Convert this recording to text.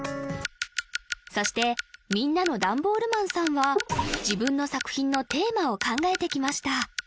そしてみんなのダンボールマンさんは自分の作品のテーマを考えてきました